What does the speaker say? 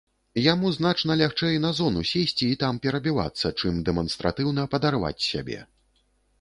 Яму значна лягчэй на зону сесці і там перабівацца, чым дэманстратыўна падарваць сябе.